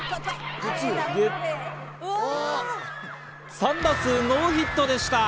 ３打数ノーヒットでした。